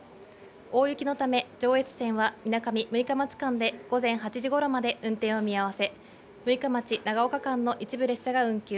大雪のため、上越線は水上・六日町間で午前８時ごろまで運転を見合わせ、六日町・長岡間の一部列車が運休。